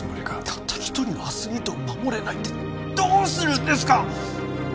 たった一人のアスリートを守れないでどうするんですか？